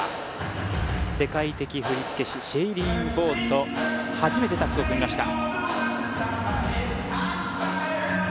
世界的振付師シェイリーン・ボーンと初めてタッグを組みました